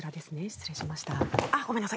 失礼しました。